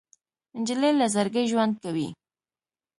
نجلۍ له زړګي ژوند کوي.